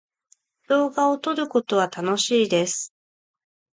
動画を撮ることは楽しい。